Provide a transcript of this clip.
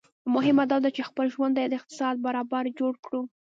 مهمه داده چي خپل ژوند د اقتصاد برابر جوړ کړو